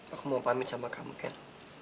aku mau pamit sama kamu ken